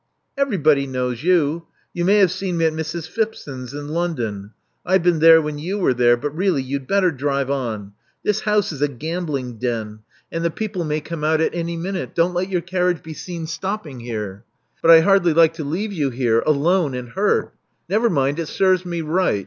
"Everybody knows you. You may have seen me at Mrs. Phipson's, in London. I've been there when you were there. But really you'd better drive on. This house is a gambling den ; and the people may come 348 Love Among the Artists out at any minute. Don't let your carriage be seen stopping here." But I hardly like to leave you here alone and hurt" Never mind me: it serves me right.